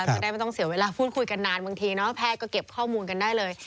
จะได้ไม่ต้องเสียเวลาพูดคุยกันนานบางทีเนาะแพทย์ก็เก็บข้อมูลกันได้เลย